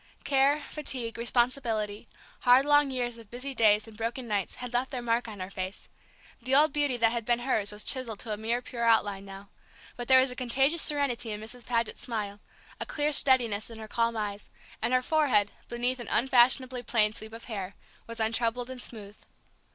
Care, fatigue, responsibility, hard long years of busy days and broken nights had left their mark on her face; the old beauty that had been hers was chiselled to a mere pure outline now; but there was a contagious serenity in Mrs. Paget's smile, a clear steadiness in her calm eyes, and her forehead, beneath an unfashionably plain sweep of hair, was untroubled and smooth.